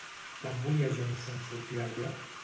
Quan volia Johnson sortir del bloc?